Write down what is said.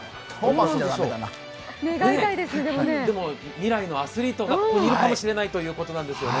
未来のアスリートがここにいるかもしれないということですね。